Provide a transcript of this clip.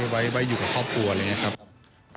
ไว้อยู่กับครอบครัวเลยเนี่ยครับ